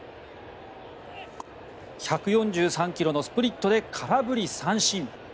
１４３ｋｍのスプリットで空振り三振。